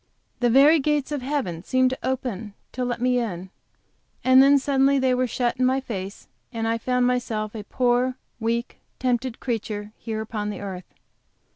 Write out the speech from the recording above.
The very gates of heaven seemed open to let me in. And then they were suddenly shut in my face, and I found myself a poor, weak, tempted creature here upon earth.